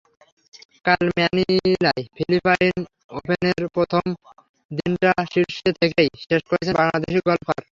কাল ম্যানিলায় ফিলিপাইন ওপেনের প্রথম দিনটা শীর্ষে থেকেই শেষ করেছেন বাংলাদেশি গলফার।